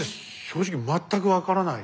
正直全く分からない。